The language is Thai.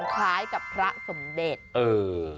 คล้ายกับพระสมเดช